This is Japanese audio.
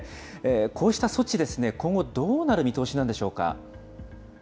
こうした措置ですね、今後、どうなる見通しなんでしょうか。